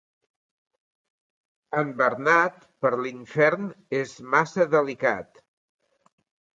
En Bernat, per l'infern és massa delicat.